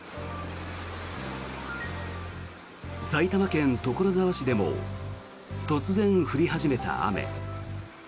埼玉県所沢市でも突然降り始めた雨。